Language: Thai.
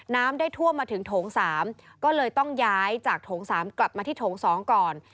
น้ำได้ท่วมมาถึงโถง๓ก็เลยต้องย้ายจากโถง๓กลับมาที่โถง๒ก่อน